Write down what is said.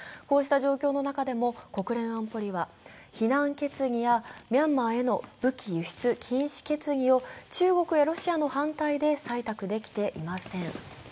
こうした状況の中でも国連安保理は、非難決議やミャンマーへの武器輸出禁止決議を中国やロシアの反対で採択できていません。